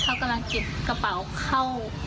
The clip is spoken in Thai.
เขากำลังเก็บกระเป๋าเข้า